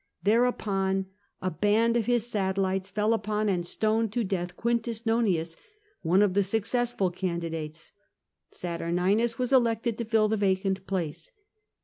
Thereupon a band of his satellites fell upon and stoned to death Q. Nonius, one of the successful candidates. Saturninus was elected to fill the vacant place.